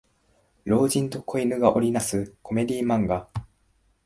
老人と子犬が織りなすコメディ漫画